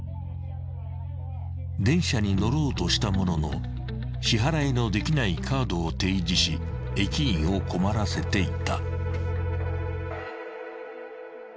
［電車に乗ろうとしたものの支払いのできないカードを提示し駅員を困らせていた］